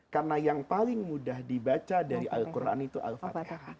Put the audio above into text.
karena yang paling mudah dibaca dari al quran itu al fatihah